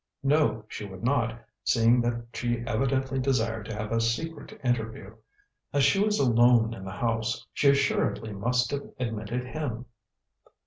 "No, she would not, seeing that she evidently desired to have a secret interview. As she was alone in the house, she assuredly must have admitted him."